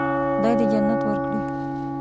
خدای دې جنت ورکړي.